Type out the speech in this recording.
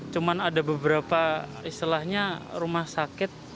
cuma ada beberapa istilahnya rumah sakit